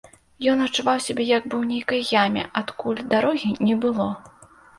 Ён адчуваў сябе як бы ў нейкай яме, адкуль дарогі не было.